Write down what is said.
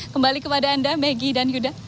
kembali kepada anda maggie dan yuda